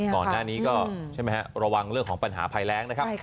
ก่อนหน้านี้ก็ใช่ไหมฮะระวังเรื่องของปัญหาภัยแรงนะครับ